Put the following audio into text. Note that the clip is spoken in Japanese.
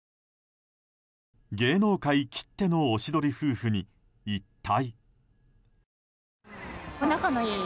芸能界きってのおしどり夫婦に一体。